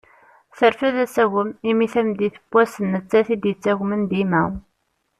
Terfed asagem imi tameddit n wass d nettat i d-yettagmen dima.